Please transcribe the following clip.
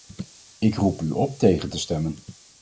Ik roep u op tegen te stemmen.